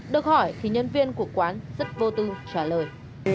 được hỏi thì nhân viên của quán rất vô tư trả lời